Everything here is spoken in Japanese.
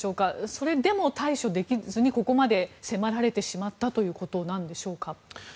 それでも対処できずにここまで迫られてしまったということなんでしょうか。